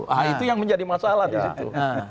nah itu yang menjadi masalah disitu